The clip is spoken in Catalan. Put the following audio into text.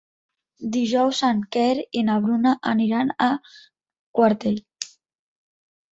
Dijous en Quer i na Bruna aniran a Quartell.